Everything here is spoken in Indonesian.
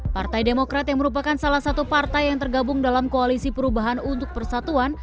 partai demokrat yang merupakan salah satu partai yang tergabung dalam koalisi perubahan untuk persatuan